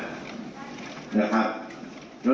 ครับ